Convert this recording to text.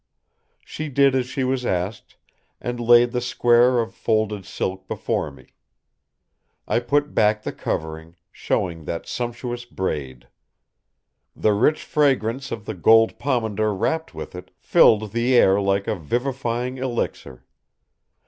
She did as she was asked and laid the square of folded silk before me. I put back the covering, showing that sumptuous braid. The rich fragrance of the gold pomander wrapped with it filled the air like a vivifying elixir.